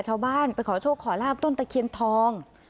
ชาวบ้านไปขอโชคขอลาบต้นตะเคียนทอง